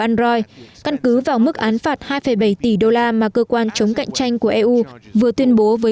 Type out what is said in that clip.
android căn cứ vào mức án phạt hai bảy tỷ đô la mà cơ quan chống cạnh tranh của eu vừa tuyên bố với